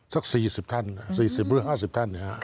สัก๔๐๕๐ท่าน